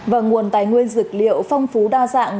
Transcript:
và nguồn tài nguyên dược liệu phong phú đa dạng